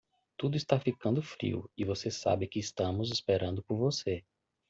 Tudo está ficando frio e você sabe que estamos esperando por você.